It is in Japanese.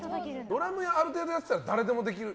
ドラムある程度やってたら誰でもできる？